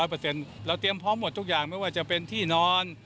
เราเตรียมพร้อมหมดทุกอย่างไม่ว่าจะเป็นที่นอน